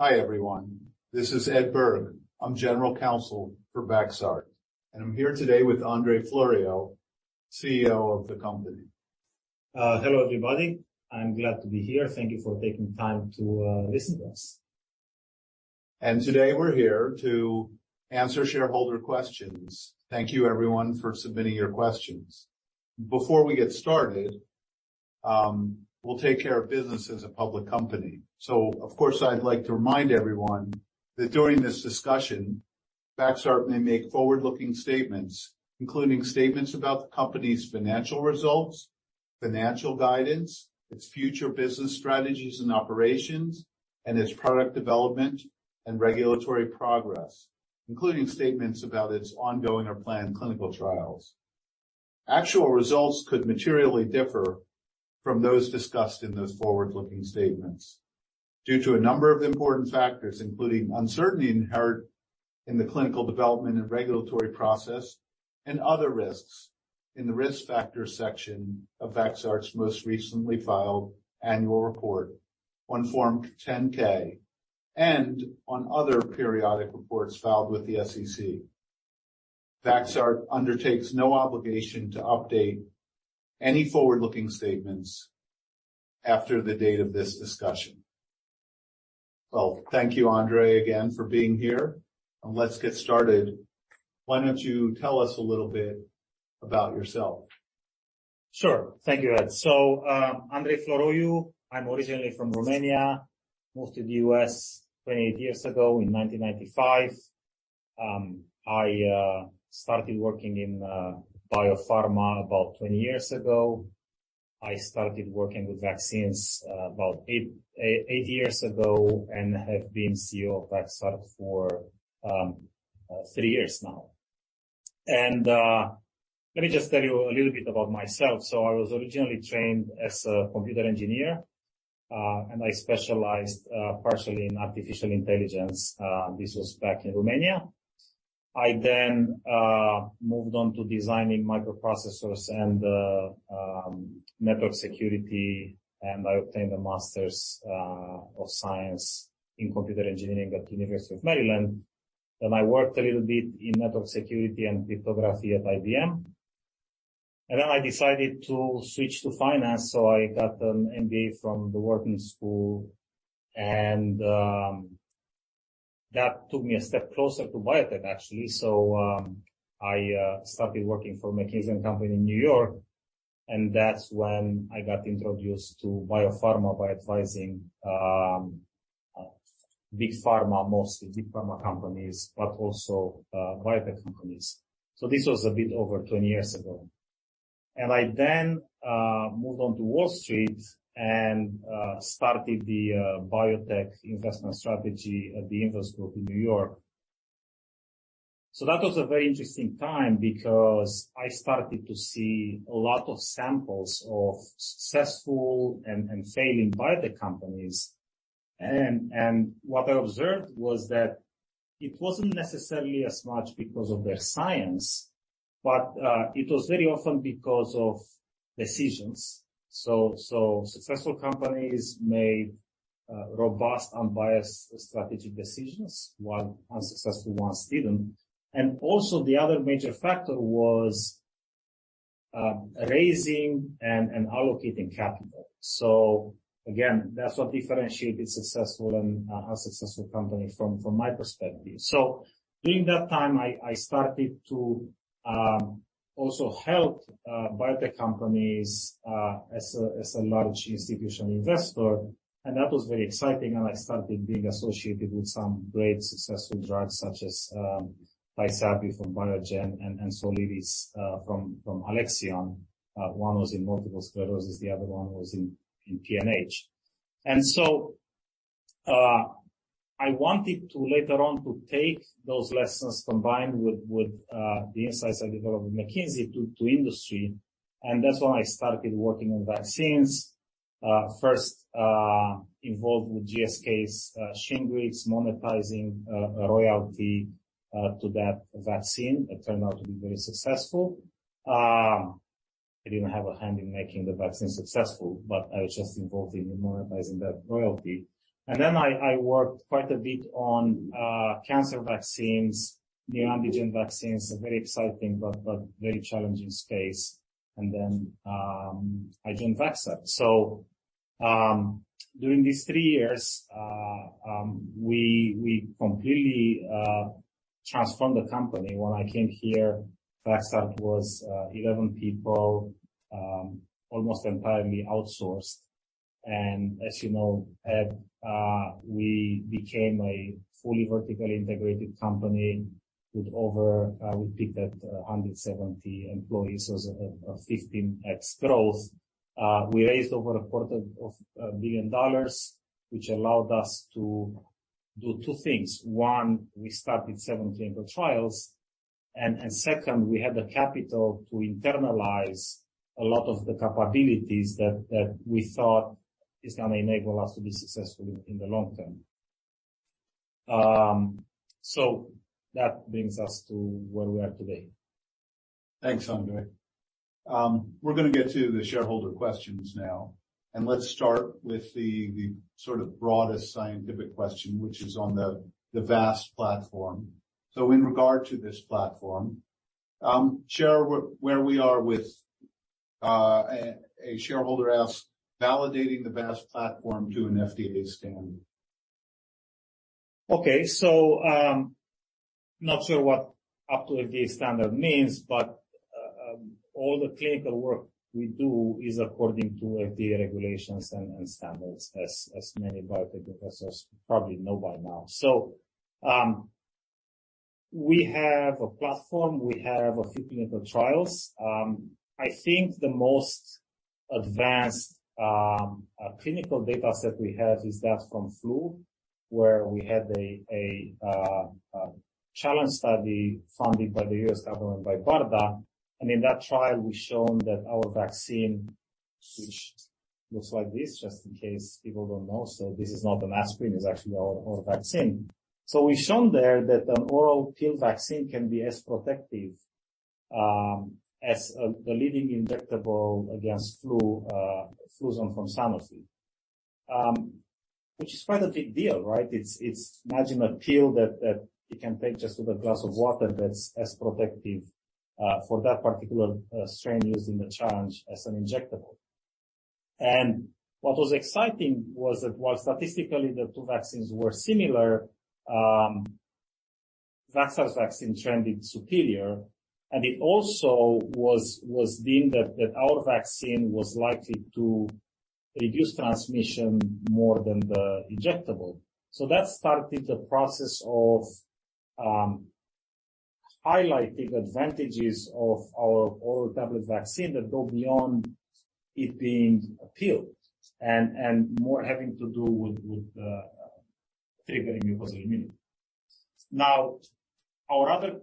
Hi, everyone. This is Ed Berg. I'm General Counsel for Vaxart, and I'm here today with Andrei Floroiu, CEO of the company. Hello, everybody. I'm glad to be here. Thank you for taking time to listen to us. Today we're here to answer shareholder questions. Thank you, everyone, for submitting your questions. Before we get started, we'll take care of business as a public company. Of course, I'd like to remind everyone that during this discussion, Vaxart may make forward-looking statements, including statements about the company's financial results, financial guidance, its future business strategies and operations, and its product development and regulatory progress, including statements about its ongoing or planned clinical trials. Actual results could materially differ from those discussed in those forward-looking statements due to a number of important factors, including uncertainty inherent in the clinical development and regulatory process, and other risks in the Risk Factors section of Vaxart's most recently filed annual report on Form 10-K and on other periodic reports filed with the SEC. Vaxart undertakes no obligation to update any forward-looking statements after the date of this discussion. Thank you, Andrei, again for being here, and let's get started. Why don't you tell us a little bit about yourself? Sure. Thank you, Ed. Andrei Floroiu, I'm originally from Romania. Moved to the U.S. 28 years ago in 1995. I started working in biopharma about 20 years ago. I started working with vaccines about eight years ago and have been CEO of Vaxart for three years now. Let me just tell you a little bit about myself. I was originally trained as a computer engineer, and I specialized partially in artificial intelligence. This was back in Romania. I then moved on to designing microprocessors and network security, and I obtained a Master's of Science in Computer Engineering at the University of Maryland. I worked a little bit in network security and cryptography at IBM. I decided to switch to finance, so I got an MBA from the Wharton School. That took me a step closer to biotech, actually. I started working for McKinsey & Company in New York. That's when I got introduced to biopharma by advising big pharma, mostly big pharma companies, but also biotech companies. This was a bit over 20 years ago. I then moved on to Wall Street and started the biotech investment strategy at The Invus Group in New York. That was a very interesting time because I started to see a lot of samples of successful and failing biotech companies. What I observed was that it wasn't necessarily as much because of their science, but it was very often because of decisions. Successful companies made robust, unbiased strategic decisions, while unsuccessful ones didn't. Also, the other major factor was raising and allocating capital. Again, that's what differentiated successful and unsuccessful companies from my perspective. During that time, I started to also help biotech companies as a large institutional investor, and that was very exciting. I started being associated with some great successful drugs, such as TYSABRI from Biogen and Soliris from Alexion. One was in multiple sclerosis, the other one was in PNH. I wanted to later on to take those lessons, combined with the insights I developed with McKinsey to industry, and that's when I started working on vaccines. First, involved with GSK's SHINGRIX, monetizing a royalty to that vaccine. It turned out to be very successful. I didn't have a hand in making the vaccine successful, but I was just involved in monetizing that royalty. I worked quite a bit on cancer vaccines, neoantigen vaccines, a very exciting but very challenging space. I joined Vaxart. During these three years, we completely transformed the company. When I came here, Vaxart was 11 people, almost entirely outsourced. As you know, Ed, we became a fully vertically integrated company with over, we peaked at, 170 employees, so a 15 times growth. We raised over a quarter of a billion dollars, which allowed us to do two things. One, we started seven clinical trials, and second, we had the capital to internalize a lot of the capabilities that we thought is going to enable us to be successful in the long term. That brings us to where we are today. Thanks, Andrei. We're going to get to the shareholder questions now. Let's start with the sort of broadest scientific question, which is on the VAAST platform. In regard to this platform, share where we are with. A shareholder asks, validating the VAAST platform to an FDA standard. Okay. Not sure what up to FDA standard means, but all the clinical work we do is according to FDA regulations and standards, as many biotech investors probably know by now. We have a platform, we have a few clinical trials. I think the most advanced clinical data set we have is that from flu, where we had a challenge study funded by the US government, by BARDA. In that trial, we've shown that our vaccine, which looks like this, just in case people don't know. This is not an aspirin, it's actually our oral vaccine. We've shown there that an oral pill vaccine can be as protective, as the leading injectable against flu, Fluzone from Sanofi. Which is quite a big deal, right? It's imagine a pill that you can take just with a glass of water that's as protective for that particular strain used in the challenge as an injectable. What was exciting was that while statistically the two vaccines were similar, Vaxart's vaccine trended superior, and it also was deemed that our vaccine was likely to reduce transmission more than the injectable. That started the process of highlighting advantages of our oral tablet vaccine that go beyond it being a pill and more having to do with triggering immunogenicity. Our other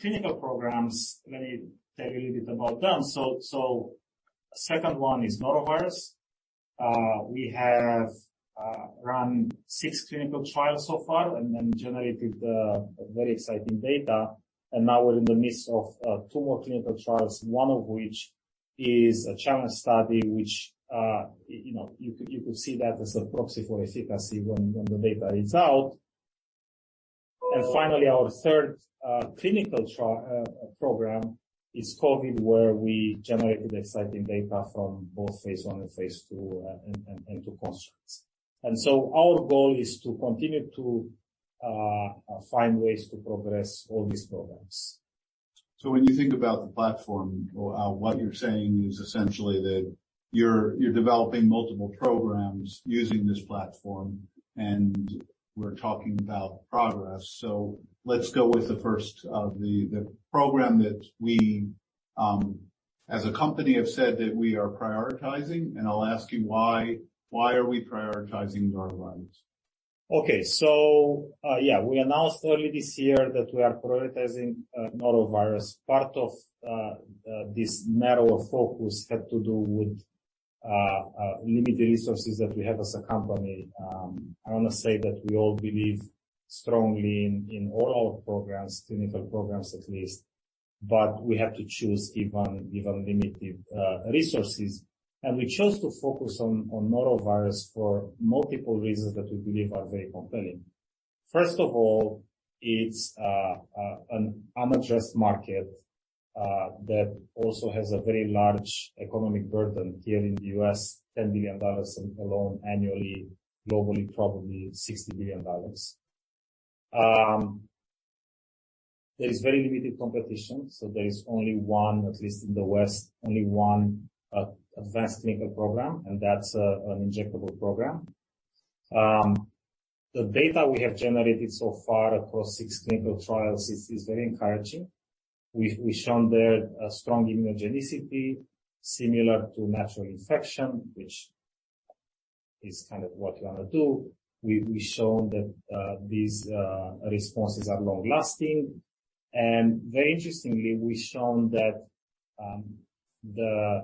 clinical programs, let me tell you a little bit about them. Second one is norovirus. We have run six clinical trials so far generated very exciting data. Now we're in the midst of two more clinical trials, one of which is a challenge study, which, you know, you could see that as a proxy for efficacy when the data is out. Finally, our third clinical trial program is COVID, where we generated exciting data from both phase I and phase II, and two constructs. Our goal is to continue to find ways to progress all these programs. When you think about the platform, or, what you're saying is essentially that you're developing multiple programs using this platform, and we're talking about progress. Let's go with the first of the program that we, as a company, have said that we are prioritizing, and I'll ask you why. Why are we prioritizing norovirus? Okay. Yeah, we announced early this year that we are prioritizing norovirus. Part of this narrow focus had to do with limited resources that we have as a company. I want to say that we all believe strongly in all our programs, clinical programs at least, but we have to choose even, given limited resources. We chose to focus on norovirus for multiple reasons that we believe are very compelling. First of all, it's an unaddressed market that also has a very large economic burden here in the U.S., $10 billion alone annually, globally, probably $60 billion. There is very limited competition, so there is only one, at least in the West, only one advanced clinical program, and that's an injectable program. The data we have generated so far across six clinical trials is very encouraging. We've shown there a strong immunogenicity similar to natural infection, which is kind of what you want to do. We've shown that these responses are long-lasting. Very interestingly, we've shown that the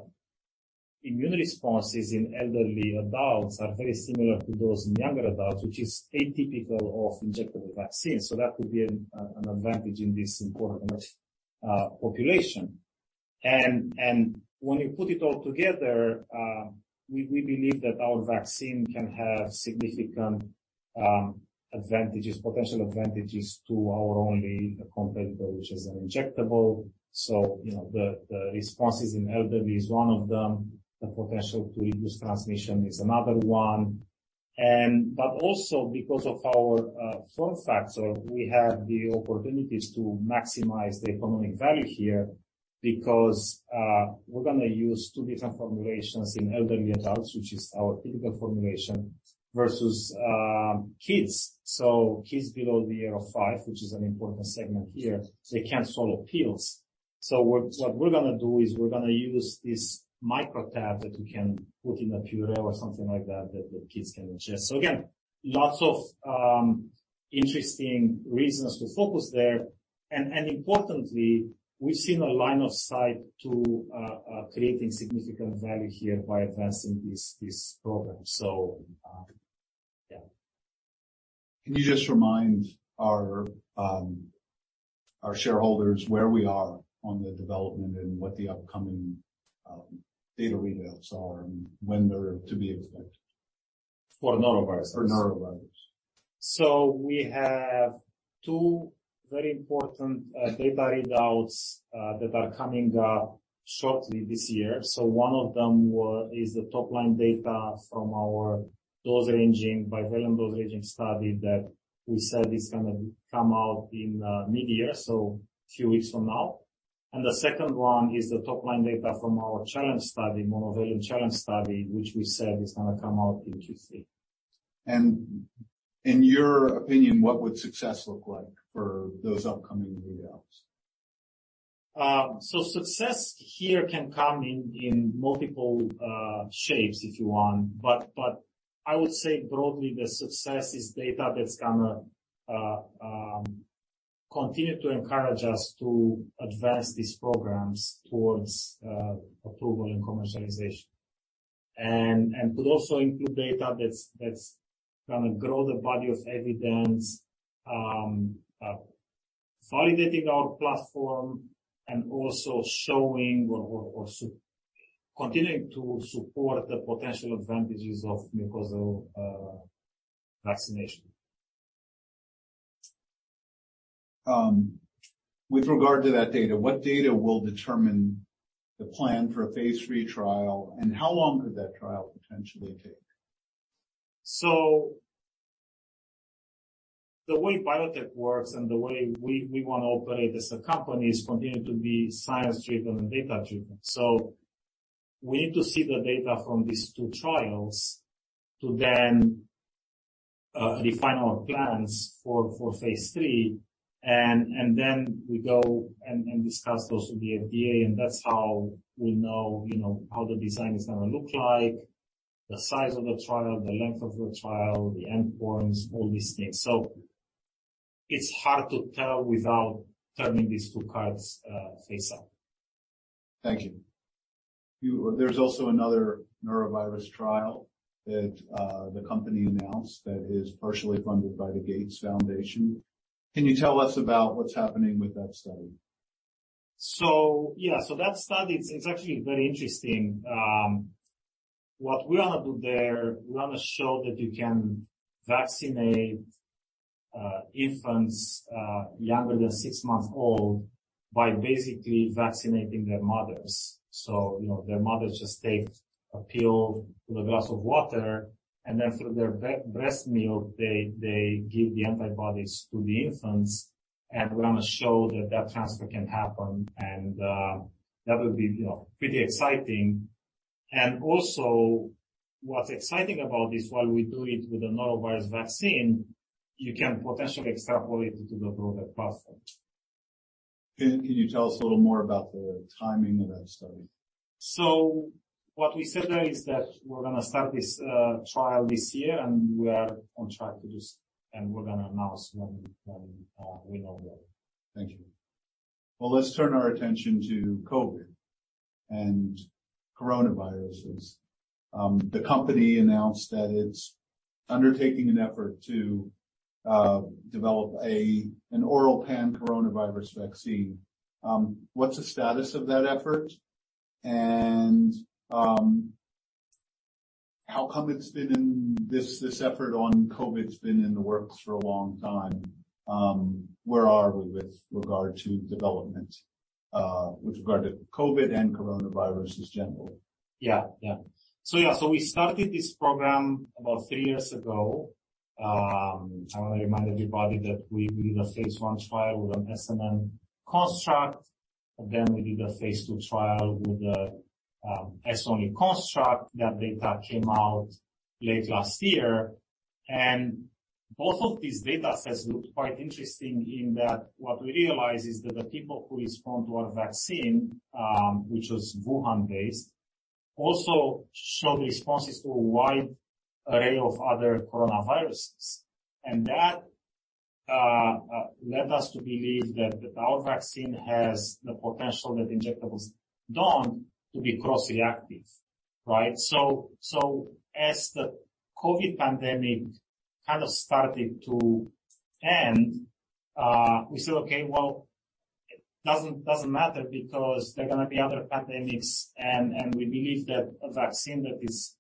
immune responses in elderly adults are very similar to those in younger adults, which is atypical of injectable vaccines. That could be an advantage in this important population. When you put it all together, we believe that our vaccine can have significant advantages, potential advantages to our only competitor, which is an injectable. You know, the responses in elderly is one of them, the potential to reduce transmission is another one. But also because of our form factor, we have the opportunities to maximize the economic value here because we're going to use two different formulations in elderly adults, which is our typical formulation, versus kids. Kids below the age of five, which is an important segment here, they can't swallow pills. What we're going to do is we're going to use this microtab that we can put in a puree or something like that the kids can ingest. Again, lots of interesting reasons to focus there... Importantly, we've seen a line of sight to creating significant value here by advancing this program. Yeah. Can you just remind our shareholders where we are on the development and what the upcoming data readouts are and when they're to be expected? For norovirus? For norovirus. We have two very important data readouts that are coming up shortly this year. One of them is the top-line data from our dose ranging bivalent dose ranging study that we said is gonna come out in mid-year, so two weeks from now. The second one is the top-line data from our challenge study, monovalent challenge study, which we said is gonna come out in Q3. In your opinion, what would success look like for those upcoming readouts? Success here can come in multiple shapes, if you want. I would say broadly, the success is data that's gonna continue to encourage us to advance these programs towards approval and commercialization. Could also include data that's gonna grow the body of evidence, validating our platform and also showing or continuing to support the potential advantages of mucosal vaccination. With regard to that data, what data will determine the plan for a phase III trial, and how long could that trial potentially take? The way biotech works and the way we want to operate as a company is continue to be science-driven and data-driven. We need to see the data from these two trials to then refine our plans for phase III, and then we go and discuss those with the FDA, and that's how we know, you know, how the design is gonna look like, the size of the trial, the length of the trial, the endpoints, all these things. It's hard to tell without turning these two cards face up. Thank you. There's also another norovirus trial that the company announced that is partially funded by the Gates Foundation. Can you tell us about what's happening with that study? Yeah. That study, it's actually very interesting. What we want to do there, we want to show that you can vaccinate infants, younger than six months old by basically vaccinating their mothers. You know, their mothers just take a pill with a glass of water, and then through their breast milk, they give the antibodies to the infants, and we're gonna show that that transfer can happen, and that would be, you know, pretty exciting. Also, what's exciting about this, while we do it with the norovirus vaccine, you can potentially extrapolate it to the broader platform. Can you tell us a little more about the timing of that study? What we said there is that we're gonna start this trial this year, and we are on track to do so, and we're gonna announce when we know more. Thank you. Well, let's turn our attention to COVID and coronaviruses. The company announced that it's undertaking an effort to develop an oral pan-coronavirus vaccine. What's the status of that effort? How come this effort on COVID's been in the works for a long time. Where are we with regard to development with regard to COVID and coronaviruses in general? Yeah, yeah. Yeah, so we started this program about three years ago. I want to remind everybody that we did a phase I trial with an S+N construct, and then we did a phase II trial with a S only construct. That data came out late last year. Both of these data sets looked quite interesting in that what we realized is that the people who respond to our vaccine, which was Wuhan-based, also showed responses to a wide array of other coronaviruses. That led us to believe that our vaccine has the potential that injectables don't, to be cross-reactive, right? As the COVID-19 pandemic kind of started to end, we said, okay, well, it doesn't matter because there are gonna be other pandemics, and we believe that a vaccine that is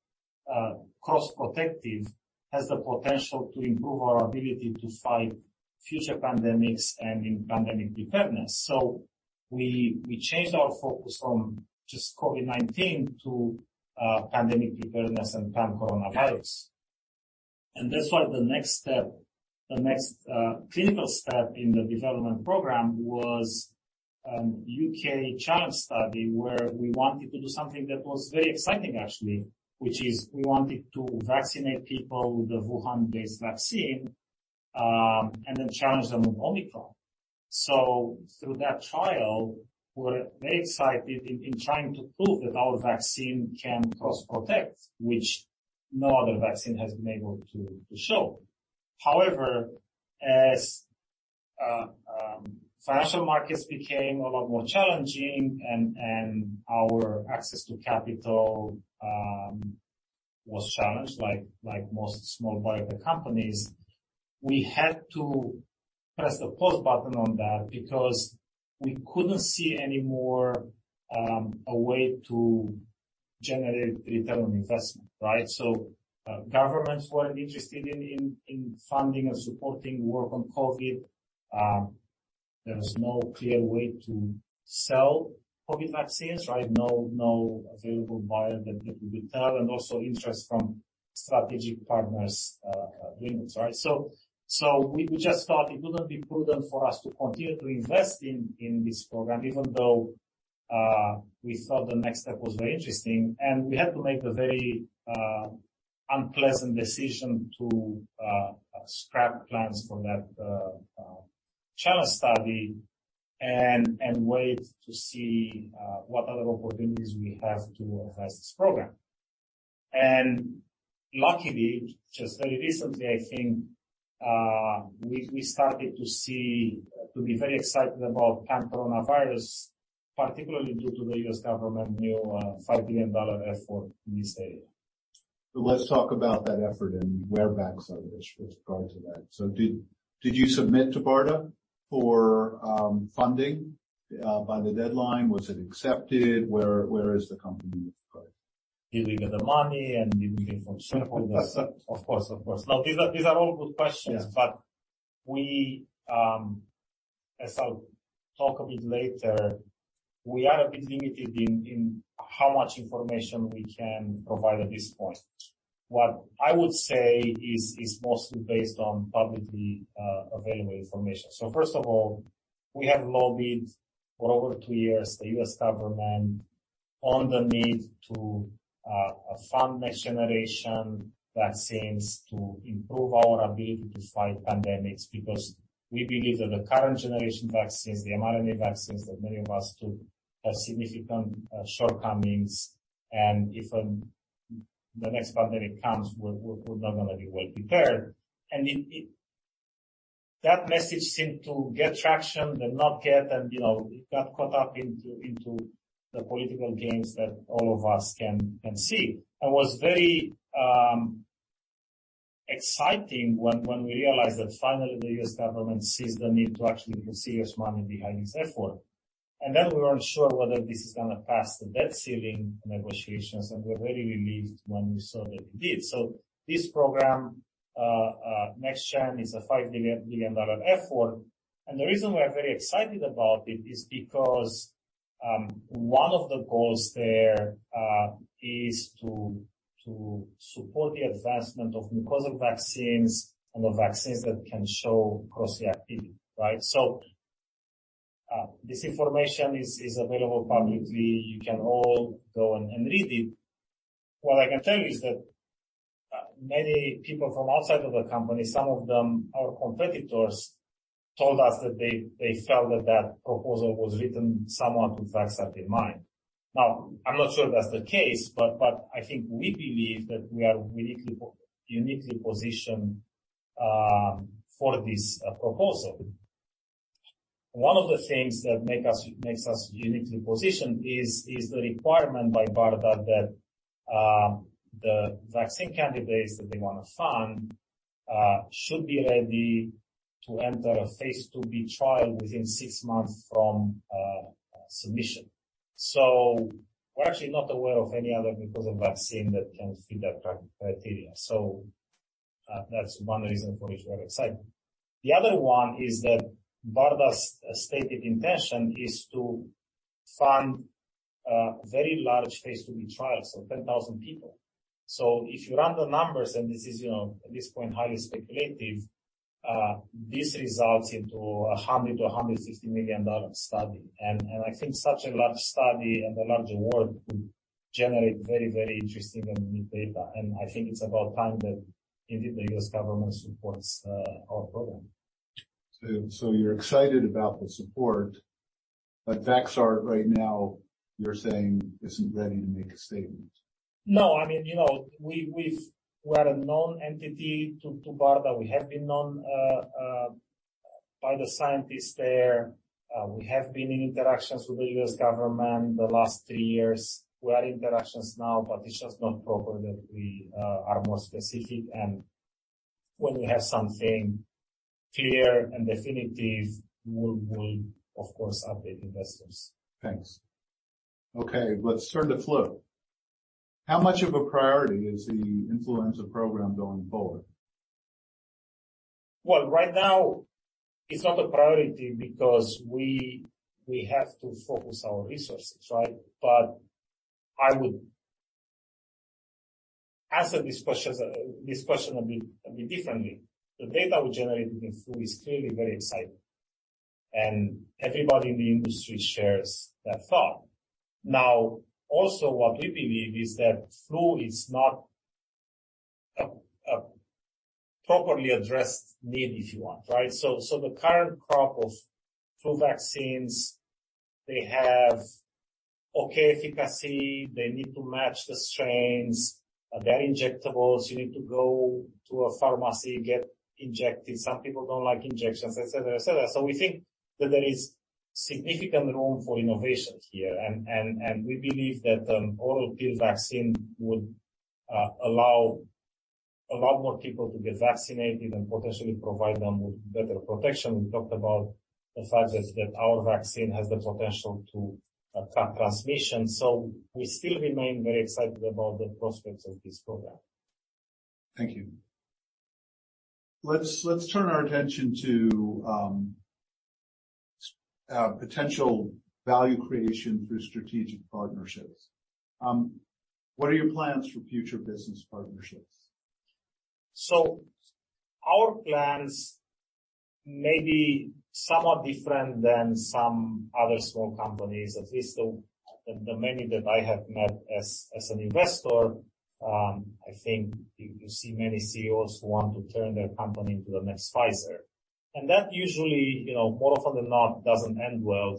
cross-protective has the potential to improve our ability to fight future pandemics and in pandemic preparedness. We changed our focus from just COVID-19 to pandemic preparedness and pan-coronavirus. That's why the next step, the next clinical step in the development program was U.K. challenge study, where we wanted to do something that was very exciting, actually, which is we wanted to vaccinate people with the Wuhan-based vaccine and then challenge them with Omicron. Through that trial, we're very excited in trying to prove that our vaccine can cross-protect, which no other vaccine has been able to show. As financial markets became a lot more challenging and our access to capital was challenged, like most small biotech companies, we had to press the pause button on that because we couldn't see any more a way to generate return on investment, right? Governments weren't interested in funding and supporting work on COVID. There was no clear way to sell COVID vaccines, right? No available buyer that would return, and also interest from strategic partners doing this, right? We just thought it wouldn't be prudent for us to continue to invest in this program, even though we thought the next step was very interesting. We had to make a very unpleasant decision to scrap plans for that challenge study and wait to see what other opportunities we have to advance this program. Luckily, just very recently, I think, we started to be very excited about coronavirus, particularly due to the U.S. government new $5 billion effort in this area. Let's talk about that effort and where Vaxart is with prior to that. Did you submit to BARDA for funding by the deadline? Was it accepted? Where is the company with product? Did we get the money, and did we get? Of course, of course. No, these are all good questions. Yeah. We, as I'll talk a bit later, we are a bit limited in how much information we can provide at this point. What I would say is mostly based on publicly available information. First of all, we have lobbied for over two years, the U.S. government, on the need to fund next-generation vaccines to improve our ability to fight pandemics, because we believe that the current generation vaccines, the mRNA vaccines, that many of us took, have significant shortcomings, and if the next pandemic comes, we're not going to be well prepared. That message seemed to get traction, then not get, and, you know, it got caught up into the political games that all of us can see. It was very exciting when we realized that finally, the U.S. government sees the need to actually put serious money behind this effort. Then we weren't sure whether this is going to pass the debt ceiling negotiations, and we're very relieved when we saw that it did. This program, NextGen, is a $5 billion effort, and the reason we are very excited about it is because one of the goals there is to support the advancement of mucosal vaccines and the vaccines that can show cross-reactivity, right? This information is available publicly. You can all go and read it. What I can tell you is that many people from outside of the company, some of them our competitors, told us that they felt that that proposal was written somewhat with Vaxart in mind. I'm not sure that's the case, but I think we believe that we are uniquely positioned for this proposal. One of the things that makes us uniquely positioned is the requirement by BARDA that the vaccine candidates that they want to fund should be ready to enter a phase II-B trial within six months from submission. We're actually not aware of any other mucosal vaccine that can fit that criteria. That's one reason for it, we're excited. The other 1 is that BARDA's stated intention is to fund very large phase II-B trials, so 10,000 people. If you run the numbers, and this is, you know, at this point, highly speculative, this results into a $100 million - $160 million study. I think such a large study and a large award would generate very, very interesting and new data. I think it's about time that indeed, the U.S. government supports our program. you're excited about the support, but Vaxart right now, you're saying, isn't ready to make a statement? No, I mean, you know, we're a known entity to BARDA. We have been known by the scientists there. We have been in interactions with the U.S. government the last three years. We are in interactions now. It's just not proper that we are more specific. When we have something clear and definitive, we will, of course, update investors. Thanks. Okay, let's turn to flu. How much of a priority is the influenza program going forward? Right now, it's not a priority because we have to focus our resources, right? I would answer this question a bit differently. The data we generated in flu is clearly very exciting, and everybody in the industry shares that thought. Also, what we believe is that flu is not a properly addressed need, if you want, right? The current crop of flu vaccines, they have okay efficacy. They need to match the strains. They're injectables. You need to go to a pharmacy, get injected. Some people don't like injections, et cetera. We think that there is significant room for innovation here, and we believe that an oral pill vaccine would allow a lot more people to get vaccinated and potentially provide them with better protection. We talked about the fact that our vaccine has the potential to cut transmission, so we still remain very excited about the prospects of this program. Thank you. Let's turn our attention to potential value creation through strategic partnerships. What are your plans for future business partnerships? Our plans may be somewhat different than some other small companies, at least the many that I have met as an investor. I think you see many CEOs who want to turn their company into the next Pfizer, and that usually, you know, more often than not, doesn't end well.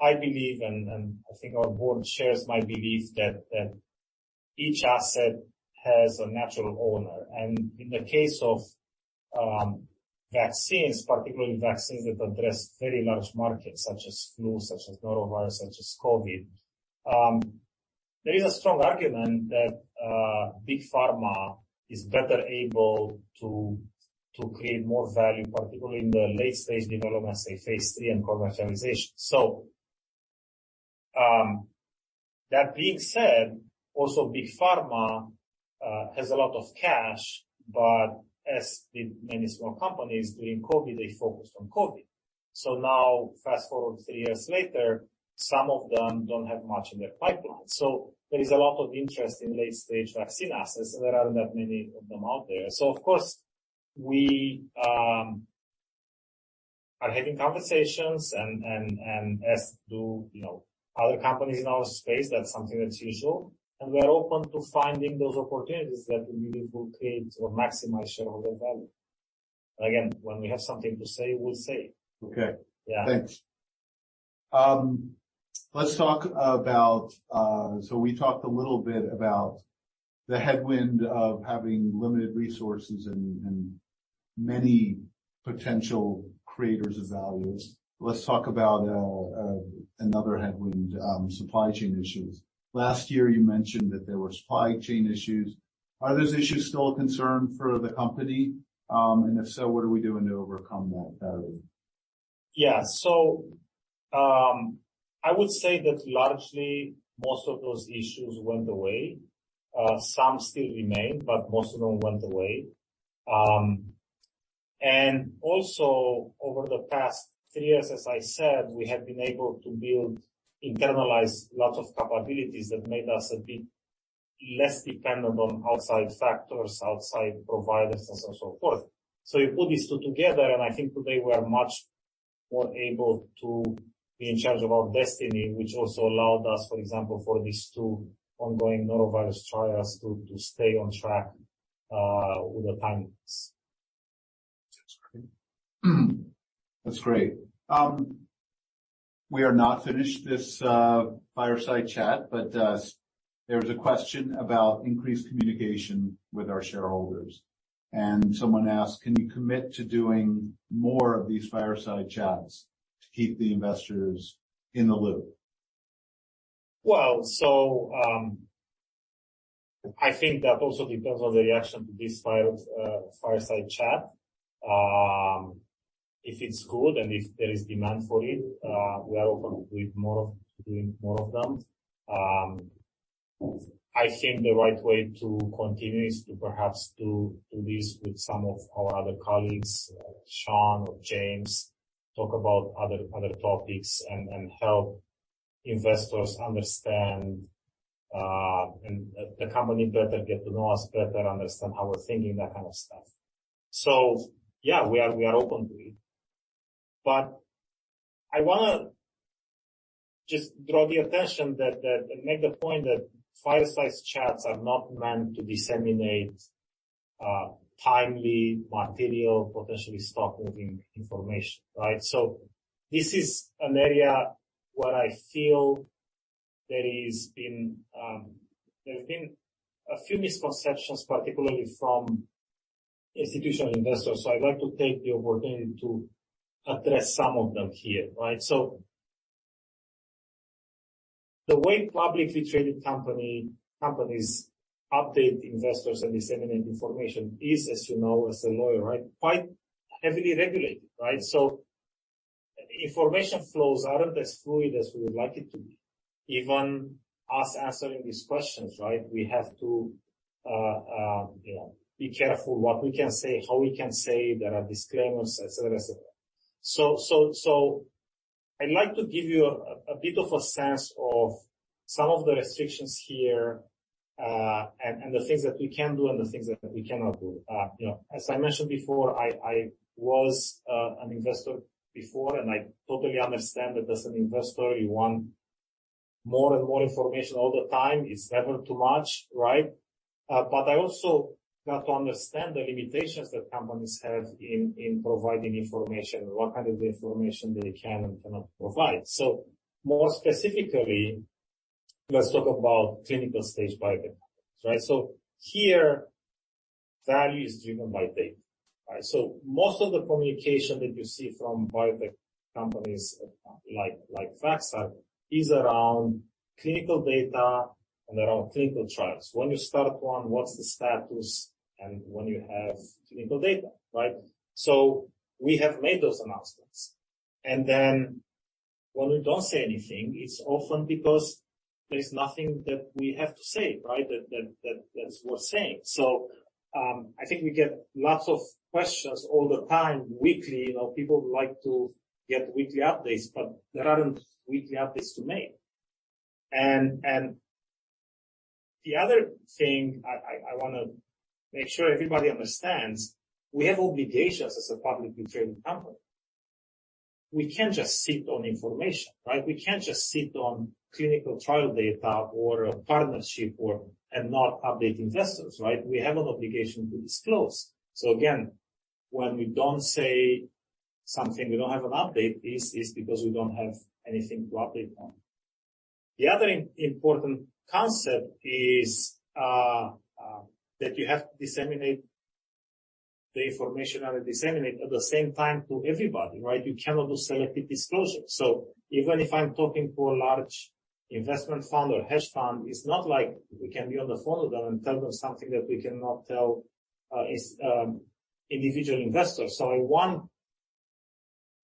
I believe, and I think our board shares my belief, that each asset has a natural owner. In the case of vaccines, particularly vaccines that address very large markets, such as flu, such as norovirus, such as COVID, there is a strong argument that Big Pharma is better able to create more value, particularly in the late-stage development, say, phase III and commercialization. That being said, also Big Pharma has a lot of cash, but as with many small companies during COVID, they focused on COVID. Now fast-forward three years later, some of them don't have much in their pipeline. There is a lot of interest in late-stage vaccine assets, and there aren't that many of them out there. Of course, we are having conversations and as do, you know, other companies in our space, that's something that's usual, and we're open to finding those opportunities that we believe will create or maximize shareholder value. Again, when we have something to say, we'll say it. Okay. Yeah. Thanks. Let's talk about. We talked a little bit about the headwind of having limited resources and many potential creators of values. Let's talk about another headwind, supply chain issues. Last year, you mentioned that there were supply chain issues. Are those issues still a concern for the company? If so, what are we doing to overcome that better? Yeah. I would say that largely most of those issues went away. Some still remain, but most of them went away. Also over the past three years, as I said, we have been able to build, internalize lots of capabilities that made us a bit less dependent on outside factors, outside providers, and so forth. You put these two together, and I think today we are much more able to be in charge of our destiny, which also allowed us, for example, for these two ongoing norovirus trials, to stay on track with the timelines. That's great. That's great. We are not finished this fireside chat, but there was a question about increased communication with our shareholders, and someone asked: "Can you commit to doing more of these fireside chats to keep the investors in the loop? I think that also depends on the reaction to this fireside chat. If it's good and if there is demand for it, we are open to doing more of them. I think the right way to continue is to perhaps do this with some of our other colleagues, Sean or James, talk about other topics and help investors understand the company better, get to know us better, understand how we're thinking, that kind of stuff. Yeah, we are open to it. I wanna just draw the attention and make the point that fireside chats are not meant to disseminate timely material, potentially stock moving information, right? This is an area where I feel there has been, there's been a few misconceptions, particularly from institutional investors, so I'd like to take the opportunity to address some of them here, right? The way publicly traded companies update investors and disseminate information is, as you know, as a lawyer, right, quite heavily regulated, right? Information flows aren't as fluid as we would like it to be. Even us answering these questions, right, we have to, you know, be careful what we can say, how we can say, there are disclaimers, et cetera. I'd like to give you a bit of a sense of some of the restrictions here, and the things that we can do and the things that we cannot do. You know, as I mentioned before, I was an investor before, I totally understand that as an investor, you want more and more information all the time. It's never too much, right? I also got to understand the limitations that companies have in providing information, what kind of information they can and cannot provide. More specifically, let's talk about clinical stage biotech, right? Here, value is driven by data, right? Most of the communication that you see from biotech companies like Vaxart is around clinical data and around clinical trials. When you start one, what's the status, and when you have clinical data, right? We have made those announcements, when we don't say anything, it's often because there is nothing that we have to say, right? That's worth saying. I think we get lots of questions all the time, weekly. You know, people like to get weekly updates, but there aren't weekly updates to make. The other thing I want to make sure everybody understands, we have obligations as a publicly traded company. We can't just sit on information, right? We can't just sit on clinical trial data or a partnership and not update investors, right? We have an obligation to disclose. Again, when we don't say something, we don't have an update, is because we don't have anything to update on. The other important concept is that you have to disseminate the information and disseminate at the same time to everybody, right? You cannot do selective disclosure. Even if I'm talking to a large investment fund or hedge fund, it's not like we can be on the phone with them and tell them something that we cannot tell individual investors. I want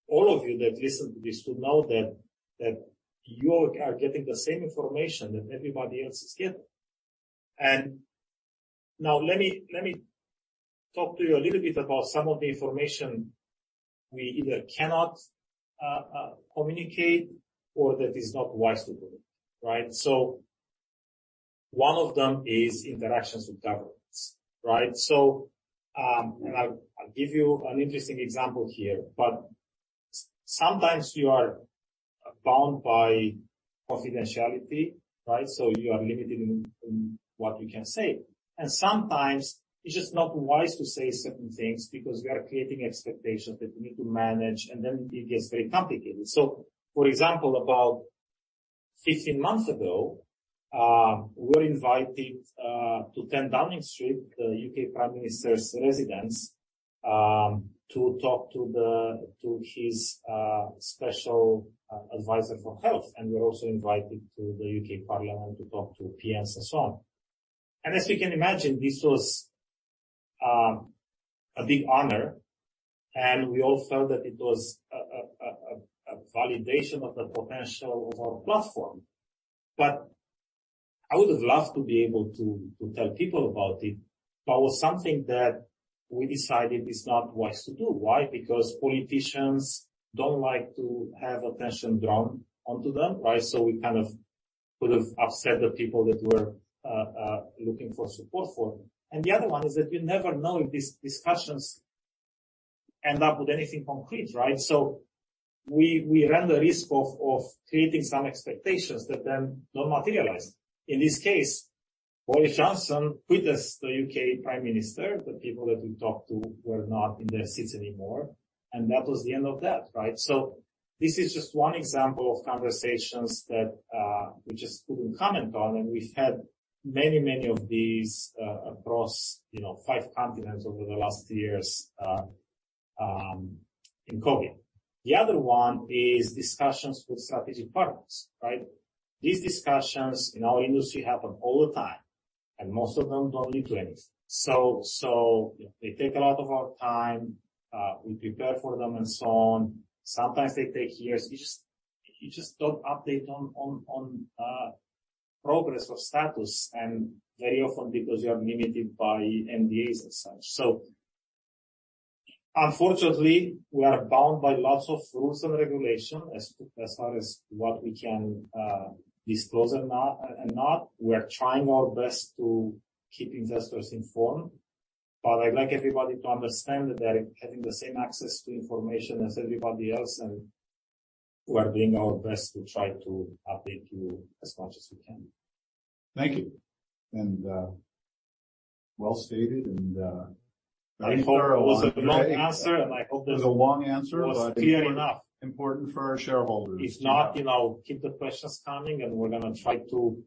all of you that listen to this to know that you are getting the same information that everybody else is getting. Now, let me talk to you a little bit about some of the information we either cannot communicate or that is not wise to communicate, right? One of them is interactions with governments, right? I'll give you an interesting example here, sometimes you are bound by confidentiality, right? You are limited in what you can say. Sometimes it's just not wise to say certain things because we are creating expectations that we need to manage, and then it gets very complicated. For example, about 15 months ago, we were invited to 10 Downing Street, the U.K. Prime Minister's residence, to talk to his special advisor for health, and we're also invited to the U.K. Parliament to talk to PMs and so on. As you can imagine, this was a big honor, and we all felt that it was a validation of the potential of our platform. I would have loved to be able to tell people about it, but it was something that we decided is not wise to do. Why? Because politicians don't like to have attention drawn onto them, right? We kind of would have upset the people that were looking for support for them. The other one is that you never know if these discussions end up with anything concrete, right? We run the risk of creating some expectations that then don't materialize. In this case, Boris Johnson quit as the U.K. Prime Minister. The people that we talked to were not in their seats anymore, and that was the end of that, right? This is just one example of conversations that we just couldn't comment on, and we've had many of these across, you know, five continents over the last years in COVID. The other one is discussions with strategic partners, right? These discussions in our industry happen all the time, and most of them don't lead to anything. They take a lot of our time, we prepare for them and so on. Sometimes they take years. You just don't update on progress or status, and very often because you are limited by NDAs and such. Unfortunately, we are bound by lots of rules and regulations as far as what we can disclose and not. We're trying our best to keep investors informed, but I'd like everybody to understand that they're having the same access to information as everybody else, and we are doing our best to try to update you as much as we can. Thank you. Well stated and very clear along the way. It was a long answer, and I hope. It was a long answer. clear enough. Important for our shareholders. You know, keep the questions coming, and we're going to try to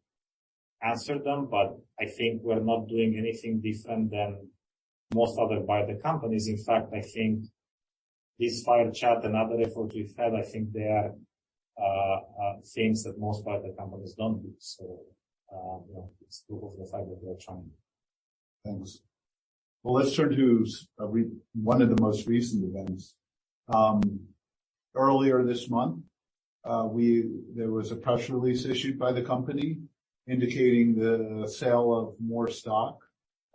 answer them, but I think we're not doing anything different than most other biotech companies. In fact, I think this fire chat and other efforts we've had, I think they are things that most biotech companies don't do. You know, it's proof of the fact that we're trying. Thanks. Well, let's turn to one of the most recent events. Earlier this month, there was a press release issued by the company indicating the sale of more stock.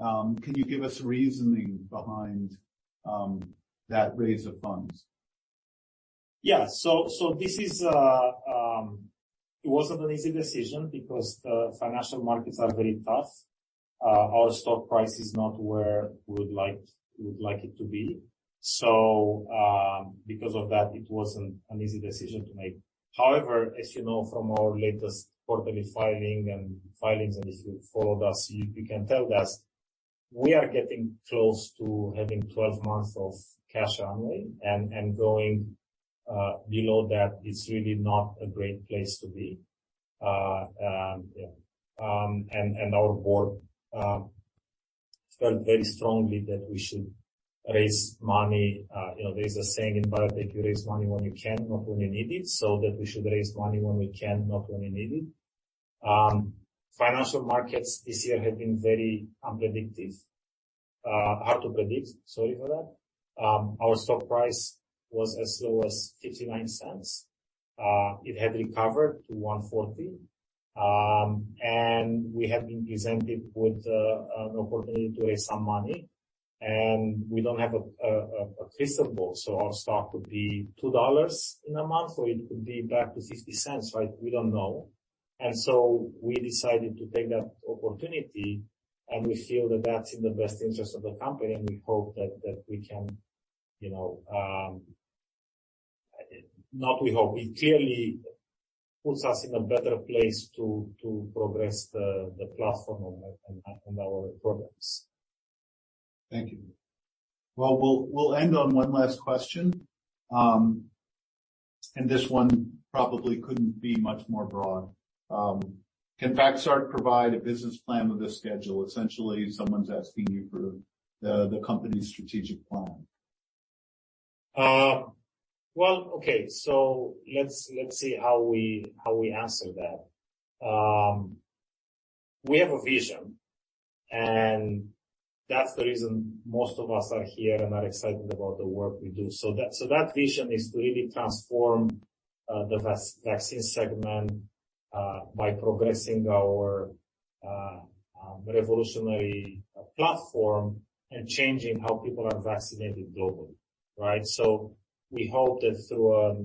Can you give us the reasoning behind that raise of funds? Yeah. So, it wasn't an easy decision because the financial markets are very tough. Our stock price is not where we would like it to be. Because of that, it wasn't an easy decision to make. However, as you know from our latest quarterly filing and filings, and if you followed us, you can tell that we are getting close to having 12 months of cash only, and going below that is really not a great place to be. Yeah. Our board felt very strongly that we should raise money. You know, there's a saying in biotech, if you raise money when you can, not when you need it, so that we should raise money when we can, not when we need it. Financial markets this year have been very unpredictable, hard to predict. Sorry for that. Our stock price was as low as $0.59. It had recovered to $1.40. We have been presented with an opportunity to raise some money, and we don't have a crystal ball, so our stock could be $2 in a month, or it could be back to $0.60, right? We don't know. We decided to take that opportunity, and we feel that that's in the best interest of the company, and we hope that we can, you know. Not we hope. It clearly puts us in a better place to progress the platform on our products. Thank you. Well, we'll end on one last question. This one probably couldn't be much more broad. Can Vaxart provide a business plan with a schedule? Essentially, someone's asking you for the company's strategic plan. Well, okay, let's see how we answer that. We have a vision, and that's the reason most of us are here and are excited about the work we do. That vision is to really transform the vaccine segment by progressing our revolutionary platform and changing how people are vaccinated globally, right? We hope that through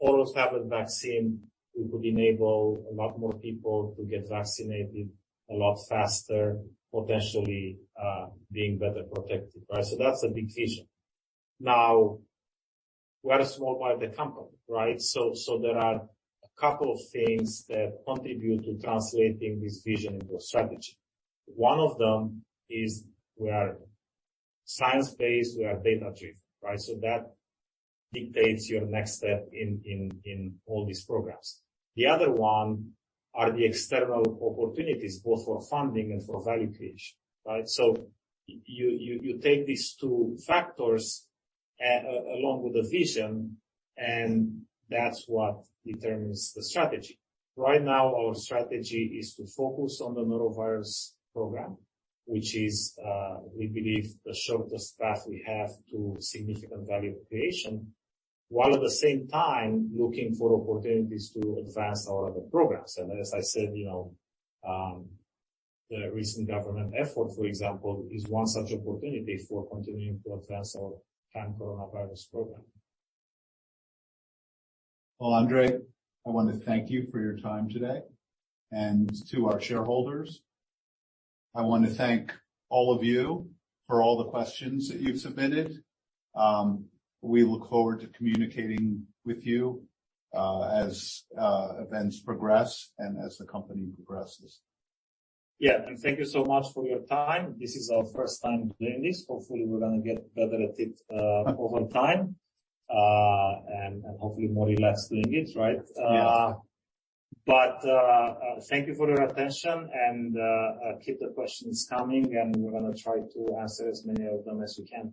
oral tablet vaccine, we could enable a lot more people to get vaccinated a lot faster, potentially being better protected, right? That's a big vision. We are a small biotech company, right? There are a couple of things that contribute to translating this vision into a strategy. One of them is we are science-based, we are data-driven, right? That dictates your next step in all these programs. The other one are the external opportunities, both for funding and for value creation, right? You take these two factors along with the vision, and that's what determines the strategy. Right now, our strategy is to focus on the norovirus program, which is, we believe, the shortest path we have to significant value creation, while at the same time looking for opportunities to advance our other programs. As I said, you know, the recent government effort, for example, is one such opportunity for continuing to advance our coronavirus program. Andre, I want to thank you for your time today, and to our shareholders, I want to thank all of you for all the questions that you've submitted. We look forward to communicating with you, as events progress and as the company progresses. Yeah, thank you so much for your time. This is our first time doing this. Hopefully, we're going to get better at it, over time, and hopefully more relaxed doing it, right? Yes. Thank you for your attention, and keep the questions coming, and we're gonna try to answer as many of them as we can.